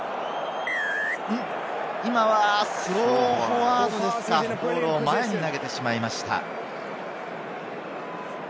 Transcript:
今のはスローフォワードですか、ボールを前に投げてしまいました。